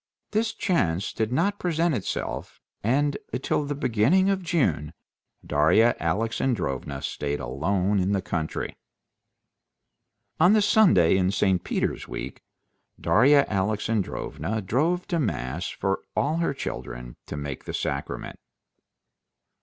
This chance did not present itself, and till the beginning of June Darya Alexandrovna stayed alone in the country. On the Sunday in St. Peter's week Darya Alexandrovna drove to mass for all her children to take the sacrament.